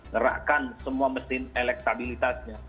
ngerahkan semua mesin elektabilitasnya